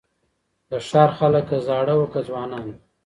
د ښار خلک که زاړه وه که ځوانان وه